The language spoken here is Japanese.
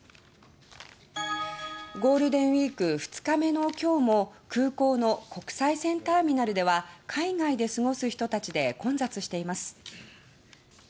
ゴールデンウィーク２日目の今日も空港の国際線ターミナルでは海外で過ごす人たちで混雑しています。